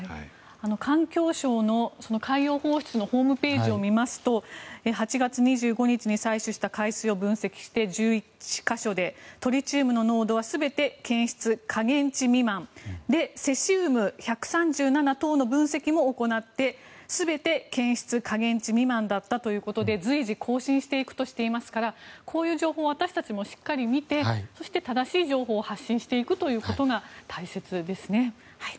環境省の海洋放出のホームページを見ますと８月２５日に採取した海水を分析して１１か所でトリチウムの濃度は全て検出下限値未満でセシウム１３７等の分析も行って全て検出下限値未満だったということで随時更新していくとしていますからこういう情報を私たちもしっかり見てそして正しい情報を発信していくことが大切ですね。